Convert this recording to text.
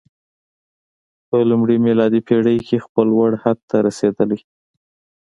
په لومړۍ میلادي پېړۍ کې خپل لوړ حد ته رسېدلی.